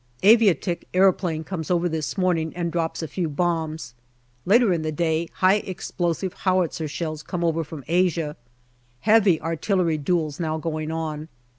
Aviatik aeroplane comes over this morning and drops a few bombs. Later in the day high explosive howitzer shells come over from Asia. Heavy artillery duels now going on.